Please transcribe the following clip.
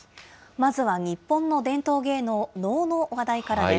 まずは日本の伝統芸能、能の話題からです。